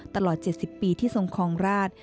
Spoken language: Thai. ตลอด๗๐ปีที่ทรงคลองราช